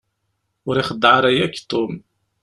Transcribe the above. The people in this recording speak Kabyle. Ur ixeddeɛ ara akk Tom.